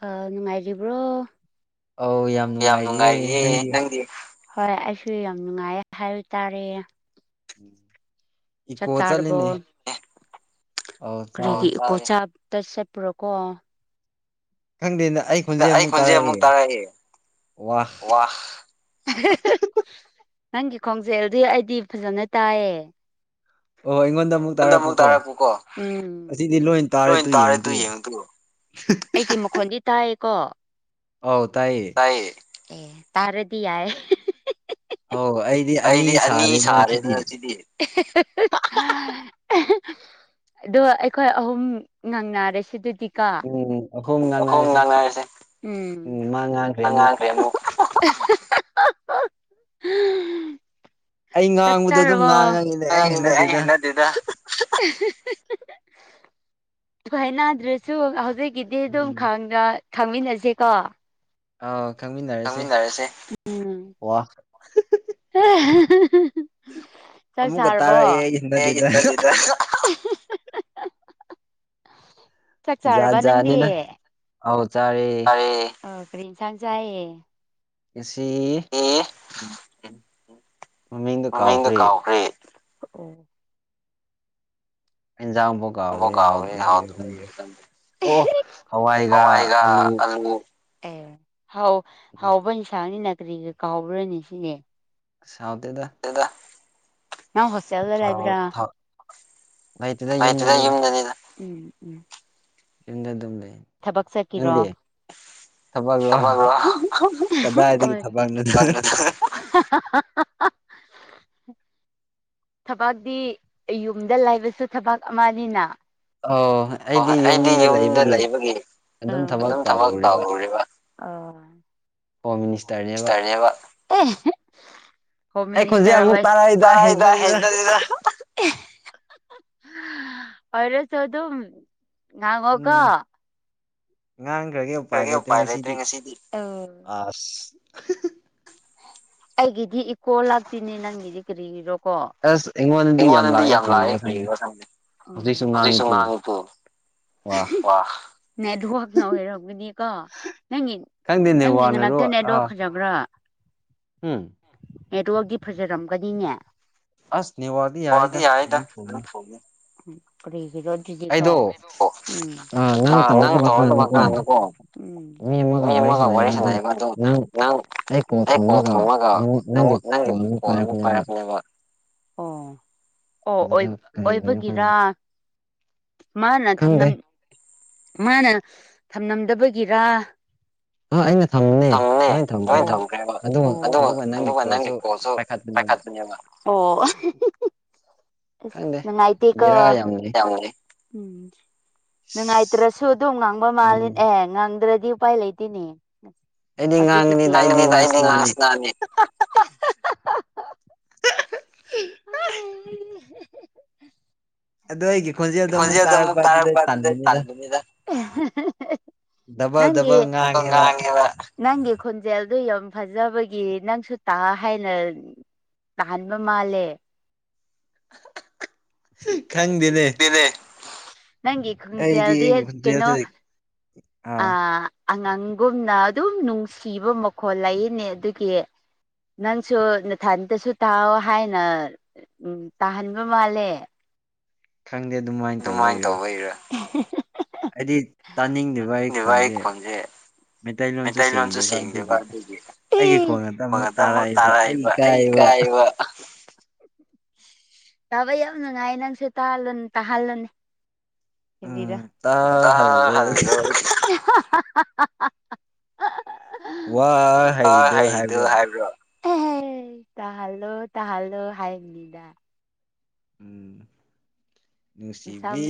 Hello ꯅꯨꯡꯉꯥꯏꯔꯤꯕ꯭ꯔꯣ ꯑꯣ ꯌꯥꯝ ꯅꯨꯡꯉꯥꯏꯔꯤꯌꯦ ꯅꯪꯗꯤ ꯍꯣꯏ ꯑꯩꯁꯨ ꯌꯥꯝ ꯅꯨꯡꯉꯥꯏ ꯍꯥꯏ ꯇꯥꯔꯦ ꯎꯝ ꯆꯥꯛ ꯆꯥꯔꯕꯣ ꯀꯔꯤꯒꯤ ꯄꯣ ꯆꯥꯛꯇ ꯆꯠꯄꯔꯀꯣ ꯑꯩ ꯈꯣꯟꯖꯦ ꯑꯃꯨꯛ ꯇꯥꯔꯛꯏ ꯋꯥ ꯅꯪꯒꯤ ꯈꯣꯡꯖꯦꯜꯗꯤ ꯑꯩꯗꯤ ꯐꯖꯅ ꯇꯥꯏꯌꯦ ꯢꯊꯟꯗ ꯑꯃꯨꯛ ꯇꯥꯔꯛꯄꯀꯣ ꯂꯣꯏ ꯇꯥꯔꯦ ꯇꯨ ꯌꯦꯡꯉꯨꯗꯣ ꯑꯩꯒꯤ ꯃꯈꯣꯟꯗꯤ ꯇꯥꯏꯌꯦꯀꯣ ꯑꯧ ꯇꯥꯏꯌꯦ ꯑꯦ ꯇꯔꯗꯤ ꯌꯥꯏ ꯍ ꯑꯩ ꯑꯩꯗꯤ ꯑꯅꯤ ꯁꯥꯔꯦꯗꯅ ꯁꯤꯗꯤ ꯑꯣ ꯑꯩꯈꯣꯏ ꯑꯍꯨꯝ ꯉꯪꯅꯔꯦꯁꯤ ꯑꯗꯨꯗꯤ ꯀꯣ ꯎꯝ ꯑꯩꯈꯣꯡ ꯉꯥꯡꯅꯔꯁꯦ ꯑ ꯉꯥꯡꯈ꯭ꯔꯦ ꯑꯃꯨꯛ ꯆꯠ ꯆꯥꯔꯔꯕꯣ ꯑꯩ ꯍꯦꯟꯅꯗꯤꯦꯗ ꯁꯣꯏ ꯅꯥꯗ꯭ꯔꯁꯨ ꯍꯧꯖꯤꯛꯀꯤꯗꯤ ꯑꯗꯨꯝ ꯈꯪꯗꯅ ꯈꯪꯃꯤꯟꯅꯁꯤꯦꯀꯣ ꯑꯥ ꯈꯪꯃꯤꯟꯅꯔꯁꯦ ꯋꯥ [unintelligible] ꯆꯥꯛ ꯆꯥꯔꯕꯣ [unintelligible] ꯆꯥꯛ ꯆꯥꯔꯕꯣ ꯅꯪꯗꯤ ꯑꯣ ꯀꯔꯤ ꯌꯦꯟꯁꯥꯡ ꯆꯥꯏꯌꯦ ꯉꯁꯤ ꯃꯃꯤꯡꯗ ꯀꯥꯎꯈ꯭ꯔꯦ ꯏꯟꯖꯥꯡꯐꯥꯎ ꯀꯥꯎꯈ꯭ꯔꯦ ꯍꯥꯎꯗ ꯂꯩꯩ ꯈꯟꯗ ꯑꯣ ꯍꯋꯥꯏꯒ ꯑꯂꯨ ꯑꯦ ꯍꯥꯎ ꯍꯥꯎꯕ ꯏꯟꯁꯥꯡꯅꯤꯅ ꯀꯔꯤꯒꯤ ꯀꯥꯎꯕ꯭ꯔꯅꯤ ꯁꯤꯅꯦ ꯍꯥꯎꯇꯦꯗ [unintelligible] ꯇꯦꯜꯗ ꯂꯩꯕ꯭ꯔꯥ ꯂꯩꯇꯦꯗ ꯌꯨꯝꯗꯅꯤꯗ ꯎꯝ ꯎꯝ ꯌꯨꯝꯗ ꯑꯗꯨꯝ ꯂꯩ ꯊꯕꯛ ꯆꯠꯀꯤꯔꯣ [unintelligible] [unintelligible] ꯊꯕꯛꯇꯤ ꯌꯨꯝꯗ ꯂꯩꯕꯁꯨ ꯊꯕꯛ ꯑꯃꯅꯤꯅ ꯑꯣ ꯑꯩꯗꯤ ꯌꯨꯝꯗ ꯂꯩꯕꯒꯤ ꯑꯗꯨꯝ ꯊꯕꯛ ꯇꯧꯔꯨꯔꯤꯕ [unintelligible] ꯍꯣꯝ ꯃꯤꯅꯤꯁꯇꯔꯍꯣꯏ [unintelligible] ꯑꯣꯏꯔꯁꯨ ꯑꯗꯨꯝ ꯎꯝ ꯉꯥꯡꯈ꯭ꯔꯒꯤ ꯎꯄꯥꯏ ꯂꯩꯇ꯭ꯔꯦ ꯉꯁꯤꯗꯤ ꯑꯥ [inaudible] ꯑꯩꯒꯤꯗꯤ ꯏꯀꯣ ꯂꯥꯛꯇꯅꯦ ꯅꯪꯒꯤꯗꯤ ꯀꯔꯤꯒꯤꯔꯣ ꯑꯩꯉꯣꯟꯗꯗꯤ ꯌꯥꯝ ꯂꯥꯛꯑꯦ [unintelligible] ꯍꯧꯖꯤꯛꯁꯨ ꯉꯥꯡꯉꯤ ꯇꯨ ꯅꯦꯠꯋꯥꯛꯅ ꯑꯣꯏꯔꯝꯒꯅꯤ ꯀꯣ ꯅꯪꯒꯤ ꯅꯪꯒꯤ ꯉꯥꯛꯇꯅꯦꯗꯣ ꯈꯖꯕ꯭ꯔꯣ ꯎꯝ ꯑꯦꯗꯣꯛꯗꯤ ꯐꯖꯔꯝꯒꯅꯤꯅꯦ [unintelligible] [unintelligible] ꯃꯤ ꯑꯃꯒ ꯋꯥꯔꯤ ꯁꯥꯟꯅꯩꯌꯦꯕ ꯑꯗꯣ ꯅꯪ ꯑꯦ ꯀꯣ ꯊꯥꯃꯒꯥ ꯊꯃꯒ ꯅꯪ ꯅꯪꯒꯤ ꯀꯣꯜ ꯃꯨꯛ ꯄꯥꯏꯔꯛꯄꯅꯦꯕ ꯑꯣ ꯑꯣꯏꯕꯒꯤꯔ ꯃꯥꯅ ꯊꯝ ꯃꯥꯅ ꯊꯝꯂꯝꯗꯕꯒꯤꯔ ꯊꯝꯅꯦ ꯃꯥ ꯊꯝꯈꯔ꯭ꯦꯕ ꯑꯗꯨ ꯑꯗꯨꯒ ꯅꯪꯒꯤ ꯀꯣꯜꯁꯨ ꯄꯥꯏꯈꯠꯄꯅꯦꯕ ꯑꯣ ꯑꯁ ꯅꯨꯡꯉꯥꯏꯇꯦꯀꯣ ꯎꯝ ꯅꯨꯡꯉꯥꯏꯇ꯭ꯔꯁꯨ ꯑꯗꯨꯝ ꯉꯥꯡꯕ ꯃꯥꯂꯦ ꯑꯦ ꯉꯥꯡꯗ꯭ꯔꯗꯤ ꯎꯄꯥꯏ ꯂꯩꯇꯦꯅꯦ ꯍꯧꯖꯤꯛꯀꯤꯗꯤ [unintelligible] [unintelligible] ꯑ ꯑꯗꯣ ꯑꯩꯒꯤ ꯈꯣꯟꯖꯦꯜꯗ ꯑꯃꯨꯛ ꯇꯥꯔꯛꯄ ꯑꯗꯨꯗ ꯇꯟꯕꯅꯤꯗ ꯅꯪ ꯅꯪꯒꯤ ꯈꯣꯟꯖꯦꯜꯗꯨ ꯌꯥꯝ ꯐꯖꯕꯒꯤ ꯅꯪꯁꯨ ꯇꯥ ꯍꯥꯏꯅ꯫ ꯇꯥꯍꯟꯕ ꯃꯥꯜꯂꯦ ꯈꯪꯗꯦꯅꯦ ꯅꯪꯒꯤ ꯈꯨꯟꯖꯦꯜꯗꯤ ꯀꯩꯅꯣ꯫ [unintelligible] ꯑ ꯑꯉꯥꯡꯒꯨꯝꯅ ꯑꯗꯨꯝ ꯅꯨꯡꯁꯤꯕ ꯃꯈꯣꯜ ꯂꯩꯌꯦꯅꯦ ꯑꯗꯨꯒꯤ ꯅꯪꯁꯨ ꯅꯊꯟꯇꯁꯨ ꯇꯥꯎꯑꯣ ꯍꯥꯏꯅ ꯎ ꯇꯥꯍꯟꯕ ꯃꯥꯜꯂꯦ ꯈꯪꯗꯦ ꯑꯗꯨꯃꯥꯏꯅ ꯇꯧꯋꯦ ꯍꯥꯏꯔ ꯑꯩꯗꯤ ꯇꯥꯅꯤꯡꯗꯕ ꯑꯩ ꯈꯣꯟꯁꯦ ꯃꯩꯇꯩꯂꯣꯟꯁꯨ ꯁꯦꯡꯗꯦꯕ ꯑꯗꯨꯒꯤ ꯏ ꯃꯤꯒꯤ ꯀꯣꯟ ꯉꯥꯛꯇꯃꯛ ꯇꯥꯔꯛꯏꯕ꯫ ꯑꯩ ꯏꯀꯥꯏꯕ ꯇꯥꯕ ꯌꯥꯝꯅ ꯅꯨꯡꯉꯥꯏ ꯅꯪꯁꯨ ꯇꯥꯍꯜꯂ ꯇꯥꯍꯜꯂꯅꯤ [unintelligible] ꯔ ꯍ ꯍꯩꯗꯨ ꯍꯥꯏꯕ꯭ꯔꯣ ꯇꯥꯍꯜꯂꯣ ꯇꯥꯍꯜꯂꯣ ꯍꯥꯏꯕꯅꯤꯗ꯫ ꯎꯝ ꯅꯨꯡꯁꯤꯕꯤ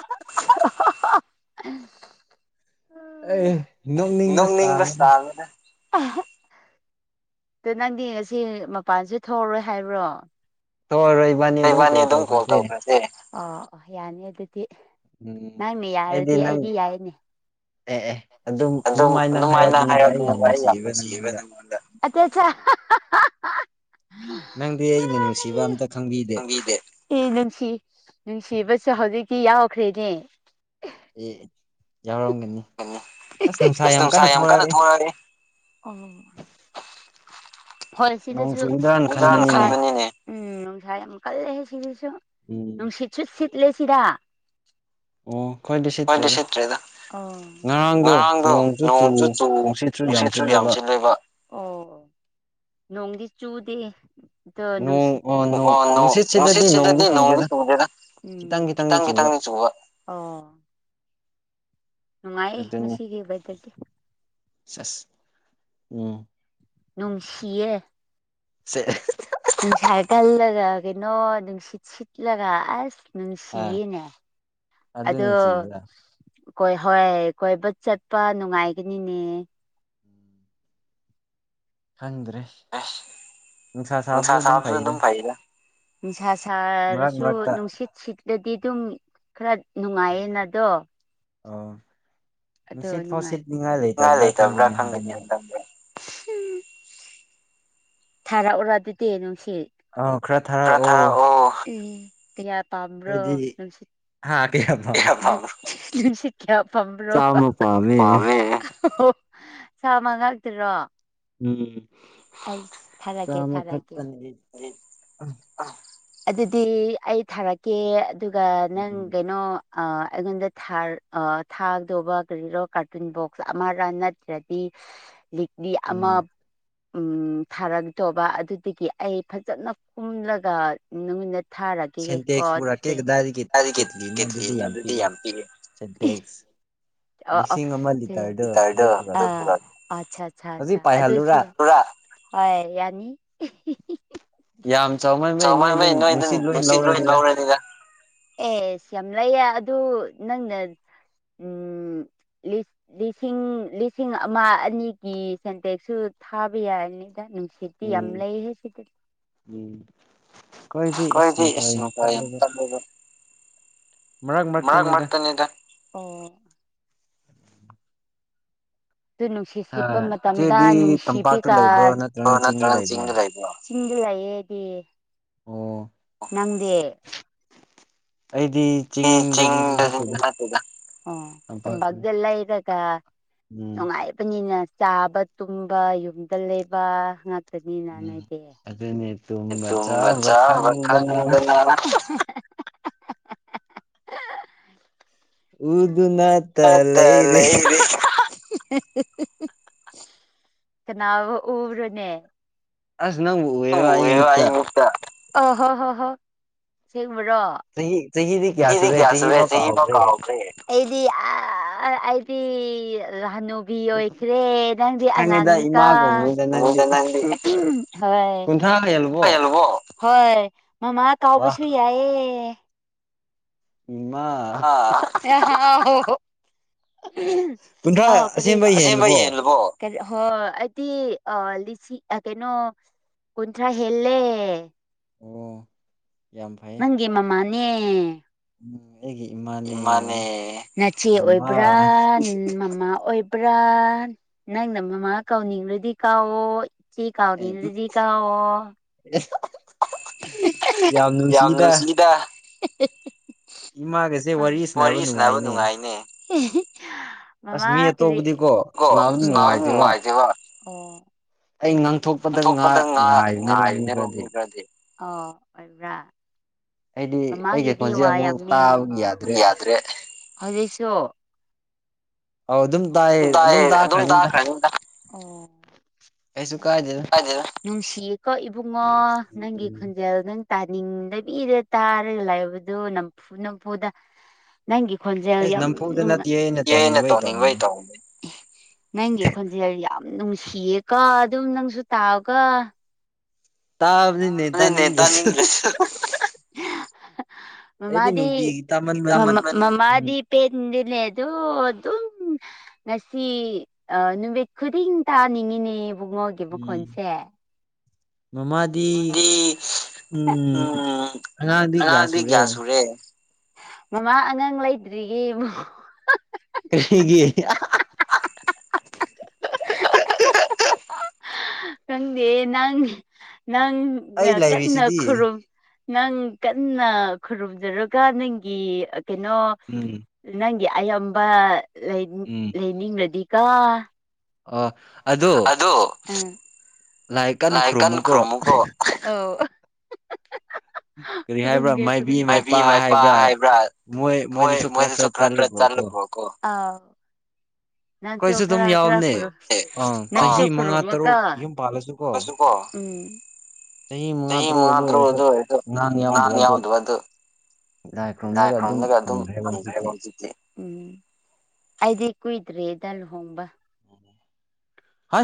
[unintelligible] ꯎ ꯅꯣꯛꯅꯤꯡꯕꯁ ꯇꯥꯒꯅ ꯑꯗ ꯅꯪꯗꯤ ꯉ ꯃꯄꯥꯟꯁꯨ ꯊꯣꯛꯎꯔꯣꯏ ꯍꯥꯏꯕ꯭ꯔꯣ ꯏꯕꯅꯤ ꯑꯗꯨꯝ ꯀꯣꯜ ꯇꯧꯈ꯭ꯔꯗꯤ ꯑ ꯌꯥꯅꯤ ꯑꯗꯨꯗꯤ꯫ ꯅꯪꯅꯦ ꯌꯥꯔꯗꯤ ꯑꯩꯗꯤ ꯌꯥꯏꯅꯦ ꯑꯗꯨꯝ ꯑꯗꯨꯃꯥꯏꯅ ꯍꯥꯏꯔ ꯑꯗꯨꯅ ꯋꯥ ꯑꯩ ꯌꯥꯝ ꯅꯨꯡꯁꯤꯕ ꯅꯪꯉꯣꯟꯗ ꯑꯆꯥ ꯆꯥ꯫ ꯎ ꯅꯪꯗꯤ ꯑꯩꯅ ꯅꯨꯡꯁꯤꯕ ꯑꯝꯇ ꯈꯪꯕꯤꯗꯦ ꯑꯦ ꯅꯨꯡꯁꯤ ꯅꯨꯡꯁꯤꯕꯁꯨ ꯍꯧꯖꯤꯛꯇꯤ ꯌꯥꯎꯈ꯭ꯔꯦꯅꯦ [unintelligible] ꯌꯥꯎꯔꯝꯒꯅꯤ ꯑꯁ ꯅꯨꯡꯁꯥ ꯌꯥꯝ ꯀꯟꯅ ꯊꯣꯛꯂꯛꯑꯦ ꯍꯣꯏ ꯁꯤꯗꯁꯨ ꯎꯝ ꯅꯨꯡꯁꯥ ꯌꯥꯝ ꯀꯜꯂꯦꯍꯦ ꯁꯤꯗꯁꯨ꯫ ꯎꯝ꯫ ꯅꯨꯡꯁꯤꯠꯁꯨ ꯁꯤꯠꯂꯦ ꯁꯤꯔ [unintelligible] ꯁꯤꯠꯇ꯭ꯔꯦꯗ ꯉꯔꯥꯡꯗꯣ ꯅꯣꯡꯁꯨ ꯆꯨ ꯅꯨꯡꯁꯤꯠꯁꯨꯁꯨ ꯌꯥꯝ ꯆꯤꯜꯂꯦꯕ ꯎ ꯂꯣꯡꯤ ꯆꯨꯗꯦ ꯅꯨꯡꯁꯤꯠ ꯅꯨꯡꯁꯤꯠ ꯁꯤꯗꯗꯤ ꯅꯣꯡꯒꯤ ꯆꯨꯗꯦꯔ ꯎ ꯈꯤꯇꯪ ꯈꯤꯇꯪꯅꯤ ꯆꯨꯕ ꯎ ꯅꯨꯡꯉꯥꯏꯌꯦ ꯉꯁꯤꯒꯤꯕꯗꯗꯤ ꯆꯁ ꯎꯝ ꯅꯨꯡꯁꯤꯌꯦ ꯁꯦ꯫ ꯝ ꯁꯔ ꯇꯜꯂꯒ ꯀꯩꯅꯣ ꯑꯗꯨꯝ ꯁꯤꯠ ꯁꯤꯠꯂꯒ ꯑꯁ ꯅꯨꯡꯁꯤꯌꯦꯅꯦ ꯑꯗꯣ꯫ ꯍꯣꯏ ꯍꯣꯏ ꯀꯣꯏꯕ ꯆꯠꯄ ꯅꯨꯡꯉꯥꯏꯒꯅꯤꯅꯦ꯫ ꯈꯪꯗ꯭ꯔꯦ ꯑꯁ ꯅꯨꯡꯁꯥ ꯁꯥꯕꯁꯨ ꯑꯗꯨꯝ ꯐꯩ ꯅꯨꯡꯁꯥ ꯁꯥꯔꯁꯨ ꯅꯨꯡꯁꯤꯠ ꯁꯤꯠ꯫ ꯗꯗꯤ ꯑꯗꯨꯝ ꯈꯔ ꯅꯨꯡꯉꯥꯏꯌꯦꯅ ꯑꯗꯣ꯫ ꯑꯣ ꯅꯨꯡꯁꯤꯠ ꯐꯥꯎ ꯁꯤꯠꯅꯤꯡꯉꯥꯏ ꯂꯩꯇꯕ꯭ꯔꯥ ꯈꯪꯒꯅꯤ ꯍꯟꯊꯕ꯭ꯔꯥ ꯊꯥꯔꯛꯎꯔ ꯑꯗꯨꯗꯤ ꯅꯨꯡꯁꯤ ꯊꯥꯔꯛꯑꯣ ꯎꯝ ꯀꯌꯥ꯫ ꯄꯥꯕ꯭ꯔꯣ ꯅꯁꯤ ꯅꯪꯁꯦ [unintelligible] ꯀꯌꯥ ꯄꯥꯝꯕ꯭ꯔꯣ ꯄꯥꯝꯃꯦ ꯆꯥꯝꯃ ꯉꯥꯛꯇꯔꯣ ꯑꯩ ꯊꯔꯛꯀꯦ ꯊꯔꯛꯀꯦ ꯑ ꯑꯗꯨꯗꯤ ꯑꯩ ꯊꯥꯔꯛꯀꯦ ꯑꯗꯨꯒ ꯅꯪ ꯑꯩꯉꯣꯟꯗꯥ [unintelligible] ꯊꯥꯗꯧꯕ ꯀꯔꯤꯔꯣ ꯀꯥꯔꯇꯨꯟ ꯕꯣꯛꯁ ꯑꯃꯔꯥ [unintelligible] ꯎꯝ ꯊꯥꯔꯛꯇꯨꯕ ꯑꯗꯨꯗꯒꯤ ꯑꯩ ꯐꯖꯅ ꯀꯨꯝꯂꯒ ꯅꯨꯃꯤꯅ꯫ ꯊꯥꯔꯒꯒꯦ ꯀꯣ ꯑꯗꯨꯗꯦ ꯇꯤꯠꯂꯤꯅ ꯑꯗꯨꯗꯤ ꯌꯥꯝ ꯄꯤꯛꯏ꯫ ꯑꯣ ꯑꯆꯥ ꯑꯆꯥ ꯑ ꯑꯗꯨ ꯍꯣꯏ ꯌꯥꯅꯤ [unintelligible] ꯆꯥꯎꯃꯉꯩ ꯅꯣꯏꯗ ꯅꯨꯡꯁꯤꯠ ꯂꯣꯏ ꯂꯧꯔꯅꯤꯗ ꯌꯥꯝ ꯂꯩꯌꯦ ꯑꯗꯨ ꯅꯪꯅ ꯎꯝ꯫ ꯂꯤꯁꯤꯡ ꯂꯤꯁꯤꯡ ꯑꯃ ꯑꯅꯤꯒꯤ ꯁꯦꯟꯇꯦꯛꯁꯨ ꯊꯥꯕ ꯌꯥꯔꯅꯤꯗ ꯅꯨꯡꯁꯤ ꯁꯤꯇꯤ ꯌꯥꯝ ꯑꯃ ꯂꯩ ꯍꯦ ꯁꯤ ꯎꯝ ꯀꯩꯗ ꯏꯁꯅ ꯈ ꯃꯒ ꯃꯥꯇꯅꯤꯗ ꯑꯗꯨ ꯅꯨꯡꯁꯤꯠ ꯁꯤꯠꯄ ꯃꯇꯝꯗ ꯅꯨꯡꯁꯤꯕꯤꯀ ꯅꯠꯇ ꯂꯩ ꯁꯤꯡꯗ ꯂꯥꯛꯑꯦꯗꯤ ꯅꯪꯗꯤ [unintelligible] [unintelligible] ꯂꯩꯔꯒꯥ ꯅꯨꯡꯉꯥꯏꯕꯅꯤꯅ ꯆꯥꯕ ꯇꯨꯝꯕ ꯌꯨꯝꯗ ꯂꯩꯕ ꯉꯥꯛꯇꯅꯤꯅ ꯅꯣꯏꯗꯤ ꯑꯗꯨꯗꯅꯦ ꯍꯥꯏꯣ ꯇꯨꯝꯕ ꯆꯥꯕ ꯈꯪꯗꯅ ꯃ ꯇ ꯂꯩ ꯏꯔꯤ ꯀꯅꯥꯕꯨ ꯎꯕ꯭ꯔꯣꯅꯦ ꯑꯁ ꯅꯪꯕꯨ꯫ ꯑ ꯍ ꯍ ꯍꯕ꯭ꯔꯣ ꯆꯍꯤ ꯆꯍꯤ [unintelligible] ꯆꯍꯤꯗꯤ ꯀꯌꯥ ꯁꯨꯔꯦ ꯆꯍꯤꯗꯣ ꯀꯥꯥꯎꯈ꯭ꯔꯦ꯫ ꯑꯩꯗꯤ ꯑ ꯑꯩꯗꯤ ꯂꯥꯍꯅꯨꯞ꯫ ꯕꯤ ꯑꯣꯏꯈ꯭ꯔꯦ ꯅꯪꯗꯤ ꯑꯉꯥꯡꯅꯤꯀꯥ [unintelligible] [unintelligible] ꯍꯣꯏ ꯍꯣꯏ ꯃꯃꯥ ꯀꯥꯎꯕꯁꯨ ꯌꯥꯏꯌꯦ ꯏꯃꯥ꯫ ꯑ ꯍꯣ ꯍꯣ꯫ ꯍꯥꯎ ꯀꯔꯤ ꯑꯁꯦꯡꯕ ꯌꯦꯜꯂꯕꯣ꯫ ꯍꯣꯏ ꯑꯩꯗꯤ ꯑ ꯂꯤꯁꯤꯡ ꯀꯩꯅꯣ ꯀꯨꯟꯊ꯭ꯔꯥ ꯍꯦꯜꯂꯦ ꯑꯣ ꯌꯥꯝ ꯐꯩ꯫ [unintelligible] ꯃꯃꯥꯅꯦ꯫ [unintelligible] ꯑꯩꯒꯤ ꯏꯃꯥ ꯏꯃꯥꯅꯦ ꯅꯆꯦ ꯑꯣꯏꯕ꯭ꯔꯥ ꯃꯃꯥ ꯑꯣꯏ ꯄꯨ꯭ꯔꯥ ꯅꯪꯅ ꯃꯃꯥ ꯀꯧꯅꯤꯡꯂꯗꯤ ꯀꯧꯋꯣ ꯏꯆꯦ ꯀꯥꯎꯅꯤꯉꯥꯗꯤ ꯀꯣꯌꯣ ꯫ [unintelligible] ꯌꯥꯝ ꯅꯨꯡꯁꯤꯗ [unintelligible] ꯋꯥꯔꯤ ꯁꯅꯕ ꯅꯨꯡꯉꯥꯏꯅꯦ ꯃꯃꯅꯨꯡꯉꯥꯏ ꯑꯩ ꯉꯥꯡꯊꯣꯛꯄꯗ ꯉꯥꯏꯔꯤꯅꯦꯕ ꯃꯤ ꯈꯗꯤ ꯑꯣꯏꯕ꯭ꯔꯥ ꯃꯃꯥꯒꯤꯗꯤ ꯋꯥ ꯌꯥꯝꯃꯦꯗ꯭ꯔꯦ ꯍꯧꯖꯤꯛꯁꯨ ꯑꯗꯨꯝ ꯇꯑꯌꯦ ꯑꯗꯨꯝ ꯇꯈ꯭ꯔꯅꯤꯗ꯫ [unintelligible] [unintelligible] ꯅꯨꯡꯁꯤꯌꯦꯀꯣ ꯏꯕꯨꯡꯉꯣ ꯅꯪꯒꯤ ꯈꯣꯟꯖꯦꯜ ꯅꯪ ꯇꯥꯅꯤꯡꯗꯕꯤꯗ ꯇꯥꯔꯒ ꯂꯥꯏꯕꯗꯨ ꯅꯝꯐꯨ ꯅꯝꯐꯨꯗ ꯅꯪꯒꯤ ꯈꯣꯟꯖꯦꯜ ꯌꯥꯝ ꯅꯨꯡꯅ ꯑꯩꯅ ꯇꯧꯅꯤꯡꯕꯩ ꯇ ꯅꯪꯒꯤ ꯈꯣꯟꯖꯦꯜ ꯌꯥꯝ ꯅꯨꯡꯁꯤꯌꯦꯀꯣ ꯑꯗꯨꯝ ꯅꯪꯁꯨ ꯇꯥꯎꯀꯣ꯫ ꯇꯥꯕꯅꯤꯅꯦ ꯇꯥꯅꯤꯗꯔ꯭ꯁꯨ ꯃꯃꯗꯤ ꯃꯃꯗꯤ ꯄꯦꯗꯤ ꯂꯩ ꯑꯗꯨ ꯑꯗꯨ ꯉꯁꯤ ꯑ ꯅꯨꯃꯤꯠ ꯈꯨꯗꯤꯡ ꯇꯥꯅꯤꯡꯉꯤꯅꯦꯕꯨꯡꯃꯣ ꯎꯝ ꯃꯃꯥ ꯃꯥꯗꯤ ꯎꯝ ꯑꯉꯥꯡꯗꯤ ꯀꯌꯥ ꯁꯨꯔꯦ꯫ ꯃꯃꯥ ꯑꯉꯥꯡ ꯂꯩꯇ꯭ꯔꯤꯌꯦ [unintelligible] ꯀꯔꯤꯒꯤ ꯈꯪꯗꯦ ꯅꯪ ꯅꯪꯅ ꯀꯟꯅ ꯈꯨꯔꯨꯝ ꯅꯪ ꯀꯟꯅ ꯈꯨꯔꯨꯝꯖꯔꯒ ꯅꯪꯒꯤ ꯀꯩꯅꯣ ꯎꯝ ꯅꯪꯒꯤ ꯑꯌꯥꯝꯕ ꯂꯩꯅꯤꯡ ꯂꯩꯅꯤꯡꯂꯗꯤ ꯀꯣ ꯑꯗꯣ ꯎꯝ ꯂꯥꯏ ꯀꯥꯟ ꯈꯨꯔꯨꯝꯃꯨꯀꯣ ꯔꯨꯝꯒꯤ ꯃꯥꯏꯕꯤ ꯃꯥꯏꯄꯥ ꯍꯥꯏꯕ꯭ꯔꯥ ꯃꯣꯏ ꯃꯣꯏꯗꯁꯨꯨ ꯈ꯭ꯔ ꯈ꯭ꯔ ꯇꯥꯜꯂꯕꯣ ꯀꯣ ꯑꯥꯎ꯫ ꯅꯪꯁꯨ ꯈꯔ ꯈꯔ ꯈꯨꯔꯝ ꯅꯪꯁꯨ ꯈꯨꯔꯨꯝꯃꯨꯀꯣ꯫ [unintelligible] ꯁꯨ ꯀꯣ ꯎꯝ ꯆꯍꯤꯍꯤ ꯃꯉꯥ ꯇꯥꯔꯨꯛ ꯑꯗꯨꯑꯣꯏꯁꯨ ꯑꯥꯉꯡ ꯌꯣꯏꯗꯕꯗꯣ ꯂꯥꯏ ꯈꯨꯔꯝꯗꯒ ꯑꯗꯨꯝ ꯐꯪꯈ꯭ꯔꯦꯕ ꯍꯧꯖꯤꯛꯇꯤ ꯎꯝ ꯑꯩꯗꯤ ꯀꯨꯏꯗ꯭ꯔꯦꯗ ꯂꯨꯍꯣꯡꯕ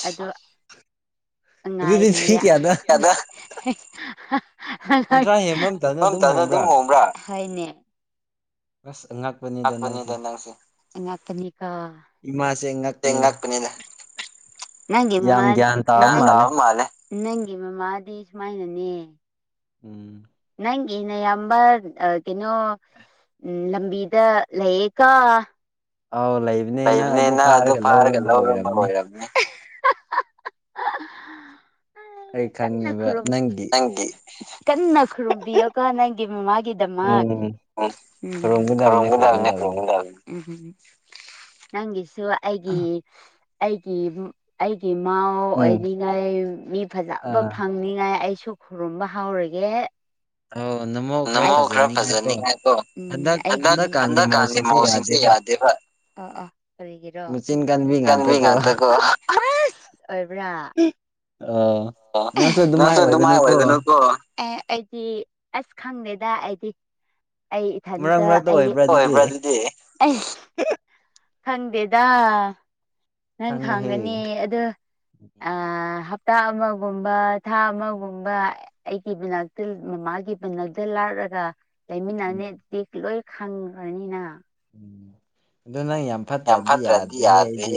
ꯑꯗꯣ ꯉꯥꯏꯔꯤꯌꯦ [unintelligible] [unintelligible] ꯍꯣꯡꯕ꯭ꯔꯥ ꯍꯣꯏꯅꯦ꯫ ꯑꯁ ꯑꯉꯥꯛ ꯉꯛꯄꯅꯤꯗ ꯅꯪꯁꯦ ꯑꯉꯛꯄꯅꯤꯀꯣ꯫ ꯏꯃꯥꯁꯦ ꯉꯛꯄꯅꯤꯗ꯫ ꯅꯪꯒꯤ ꯃꯃꯥ [unintelligible] ꯅꯪꯒꯤ ꯃꯃꯥꯗꯤ ꯁꯨꯃꯥꯏꯅꯅꯦ ꯎꯝ ꯅꯪꯒꯤ ꯅꯌꯥꯝꯕ ꯀꯩꯅꯣ ꯎꯝ ꯂꯝꯕꯤꯗ ꯂꯩꯌꯦꯀꯣ ꯑꯎ ꯂꯩꯕꯅꯦ ꯅꯪ ꯑꯗꯨ ꯐꯥꯔꯒ ꯂꯧꯔꯝꯕ ꯑꯣꯏꯔꯝꯅꯤ꯫ [unintelligible] ꯀꯟꯅ ꯈꯨꯔꯨꯝꯕꯤꯌꯣꯀꯣ ꯅꯪꯒꯤ ꯃꯃꯥꯒꯤꯗꯃꯛ꯫ ꯎꯝ꯫ [unintelligible] ꯎꯝꯍꯨꯝ ꯅꯪꯒꯤꯁꯨ ꯑꯩꯒꯤ ꯑꯩꯒꯤ꯫ ꯑꯩꯒꯤ ꯃꯥꯎ ꯑꯣꯏꯅꯤꯡꯉꯥꯏ ꯃꯤ ꯐꯖꯕ ꯐꯪꯅꯤꯉꯥꯏ ꯑꯩꯁꯨ ꯈꯨꯔꯨꯝꯕ ꯍꯧꯔꯒꯦ꯫ ꯅꯃꯧ ꯈꯔ ꯐꯖꯅꯤꯡꯉꯥꯏꯀꯣ ꯍꯟꯗꯛ ꯍꯟꯗꯛꯀꯥꯟꯒꯤ ꯃꯧꯁꯤꯡꯁꯦ ꯌꯥꯗꯦ꯫ [unintelligible] ꯑꯣ ꯑꯣ ꯀꯔꯤꯒꯤꯔꯣ ꯇꯟꯕꯩ ꯉꯥꯛꯇ ꯀꯣ ꯑ꯫ ꯑꯣꯏꯕ꯭ꯔꯥ꯫ ꯑ ꯅꯥꯪꯁꯨ ꯑꯗꯨꯃꯥꯏꯅꯥ ꯑꯣꯏꯒꯅꯨꯀꯣ ꯑꯦ ꯑꯩꯗꯤ ꯑꯁ ꯈꯪꯗꯦꯗ ꯑꯩꯗꯤ ꯑꯩ ꯏꯊꯟꯇ ꯑꯩ ꯑꯣꯏꯕ꯭ꯔꯥ ꯑꯗꯨꯗꯤ ꯑꯩ ꯈꯪꯗꯦꯗ ꯅꯪ ꯈꯪꯒꯅꯤ ꯑꯗꯨ ꯑ ꯍꯞꯇꯥ ꯑꯃ ꯍꯥꯞꯇꯥꯒꯨꯝꯕ ꯊꯥ ꯑꯃꯒꯨꯝꯕ ꯑꯩꯒꯤ ꯃꯅꯥꯛꯇ ꯃꯥꯃꯒꯤ ꯅꯥꯛꯇ ꯂꯥꯠꯂꯒ ꯂꯩꯃꯤꯟꯅꯅꯤꯗꯤ ꯂꯣꯏ ꯈꯪꯈ꯭ꯔꯅꯤꯅ ꯫ ꯎꯝ ꯑꯗꯨ ꯅꯪ ꯌꯥꯝ ꯐꯠꯇ꯭ꯔꯗꯤ ꯌꯥꯗ꯭ꯔꯦꯍꯦ ꯑꯩꯗꯤ